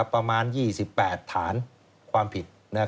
ประมาณ๒๘ฐานความผิด